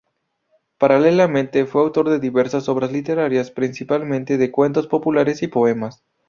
Paralelamente, fue autor de diversas obras literarias, principalmente de cuentos populares y poemas.